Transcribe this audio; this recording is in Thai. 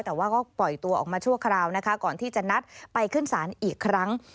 แต่ว่าก็ปล่อยตัวออกมาชั่วคราวนะคะก่อนที่จะนัดไปขึ้นศาลอีกครั้ง